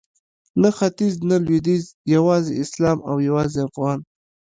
نه ختیځ نه لویدیځ یوازې اسلام او یوازې افغان